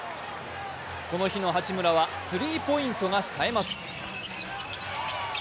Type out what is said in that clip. この日の八村はスリーポイントがさえます。